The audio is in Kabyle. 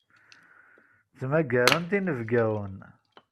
Ttmagarent inebgawen.